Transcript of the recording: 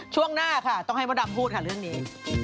ช่วงหน้าค่ะต้องให้มดดำพูดค่ะเรื่องนี้